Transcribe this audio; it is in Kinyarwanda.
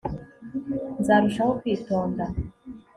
nzarushaho kwitonda